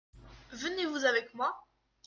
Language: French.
Venez-vous avec moi ?